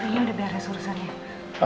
kafe nya udah beres urusannya